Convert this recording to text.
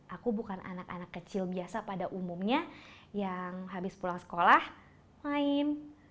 aku bukan anak anak kecil biasa pada umumnya yang habis pulang sekolah main